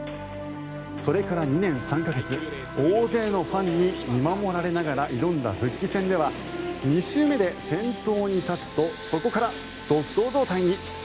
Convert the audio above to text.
それから２年３か月大勢のファンに見守られながら挑んだ復帰戦では２周目で先頭に立つとそこから独走状態に。